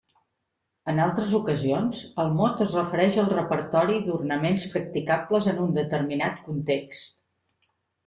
En altres ocasions el mot es refereix al repertori d'ornaments practicables en un determinat context.